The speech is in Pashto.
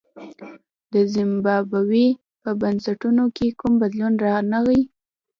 د زیمبابوې په بنسټونو کې کوم بدلون رانغی.